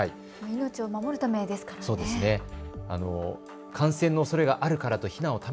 命を守るためですからね。